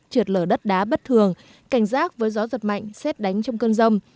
trượt lở đất đá bất thường cảnh giác với gió giật mạnh xét đánh trong cơn rông